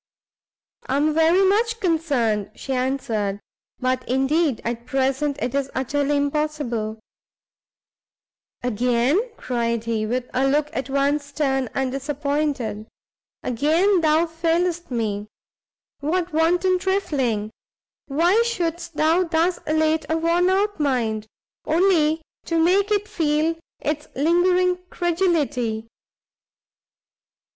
"I am very much concerned," she answered, "but indeed at present it is utterly impossible." "Again," cried he, with a look at once stern and disappointed, "again thou failest me? what wanton trifling! why shouldst thou thus elate a worn out mind, only to make it feel its lingering credulity?